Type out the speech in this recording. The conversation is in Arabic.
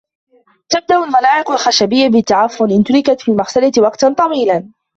تبدأ الملاعق الخشبية بالتعفن ، إنْ تُرِكتْ في المغسلة وقتًا طويلا.